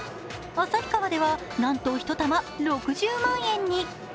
旭川では、なんと１玉６０万円に。